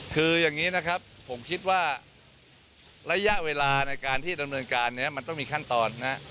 คืออย่างนี้นะครับผมคิดว่าระยะเวลาในการที่ดำเนินการเนี่ยมันต้องมีขั้นตอนนะ